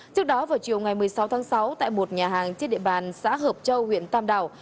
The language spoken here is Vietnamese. trước đó vào chiều ngày một mươi sáu tháng sáu tại một nhà hàng trên địa bàn xã hợp châu huyện tam đảo